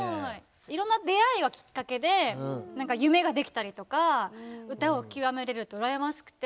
いろんな出会いがきっかけで夢ができたりとか歌を極めれるって羨ましくて。